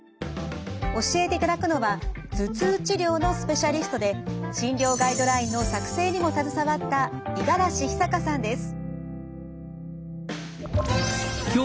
教えていただくのは頭痛治療のスペシャリストで診療ガイドラインの作成にも携わった五十嵐久佳さんです。